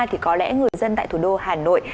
thì có lẽ người dân tại thủ đô hà nội